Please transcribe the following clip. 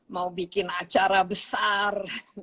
mau bikin acara besar